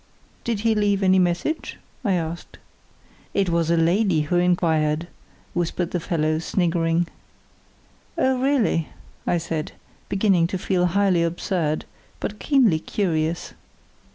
"Did he leave any message?" I asked. "It was a lady who inquired," whispered the fellow, sniggering. "Oh, really," I said, beginning to feel highly absurd, but keenly curious.